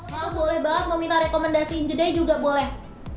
mas boleh banget mau minta rekomendasiin jedai juga boleh